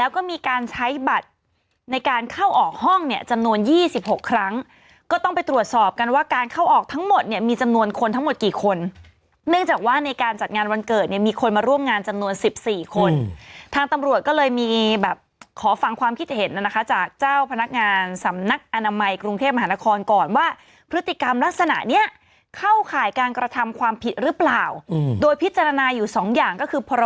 ก็มีการใช้บัตรในการเข้าออกห้องเนี่ยจำนวน๒๖ครั้งก็ต้องไปตรวจสอบกันว่าการเข้าออกทั้งหมดเนี่ยมีจำนวนคนทั้งหมดกี่คนเนื่องจากว่าในการจัดงานวันเกิดเนี่ยมีคนมาร่วมงานจำนวน๑๔คนทางตำรวจก็เลยมีแบบขอฟังความคิดเห็นนะคะจากเจ้าพนักงานสำนักอนามัยกรุงเทพมหานครก่อนว่าพฤติกรรมลักษณะเ